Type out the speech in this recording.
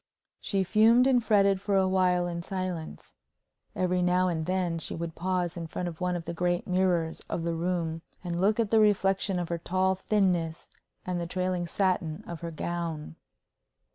She fumed and fretted for a while in silence. Every now and then she would pause in front of one of the great mirrors of the room, and look at the reflection of her tall thinness and the trailing satin of her gown.